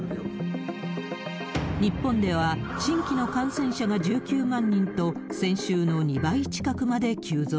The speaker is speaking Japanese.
日本では、新規の感染者が１９万人と、先週の２倍近くまで急増。